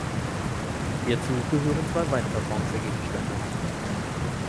Hierzu gehören zwei weitere Bronzegegenstände.